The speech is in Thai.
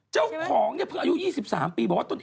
เจ้าของเนี้ยเพิ่งอายุ๒๓ปี